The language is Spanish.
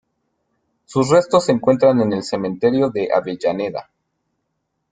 Sus restos se encuentran en el Cementerio de Avellaneda.